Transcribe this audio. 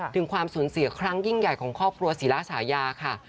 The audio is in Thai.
ถึงความสูญเสียครั้งยิ่งใหญ่ของครอบครัวศิลาชายาค่ะ